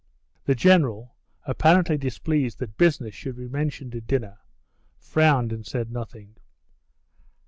The General, apparently displeased that business should be mentioned at dinner, frowned and said nothing.